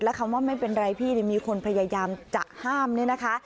แล้วคำว่าไม่เป็นไรพี่มีคนพยายามจะห้ามเนี่ยนะคะ